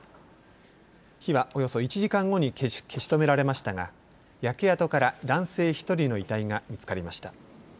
火はおよそ１時間後に消し止められましたが焼け跡から男性１人の遺体が見つかりました。